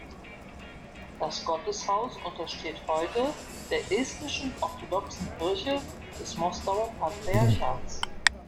Das Gotteshaus untersteht heute der Estnischen Orthodoxen Kirche des Moskauer Patriarchats.